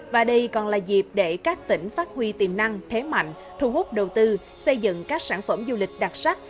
và đây còn là dịp để các tỉnh phát huy tiềm năng thế mạnh thu hút đầu tư xây dựng các sản phẩm du lịch đặc sắc